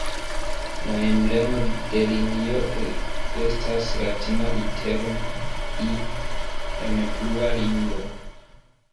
La emblemo de linio estas latina litero "I" en blua ringo.